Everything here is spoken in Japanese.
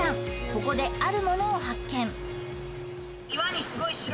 ここであるものを発見